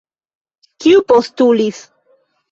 Kiu postulis?